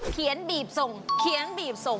บีบส่งเขียนบีบส่ง